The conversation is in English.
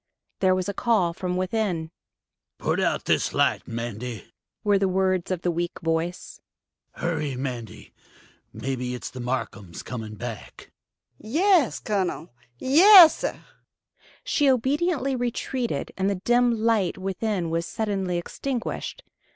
There was a call from within. "Put out this light, Mandy," were the words of the weak voice. "Hurry, Mandy. Maybe it's the Marcums coming back." "Yas, Cunnel; yassir." She obediently retreated, and the dim light within was suddenly extinguished.